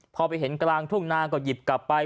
พอไปเห็นกลางทุ่งนาก็หยิบกลับไป